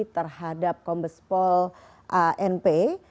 terhadap kombespol anp